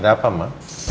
ada apa ma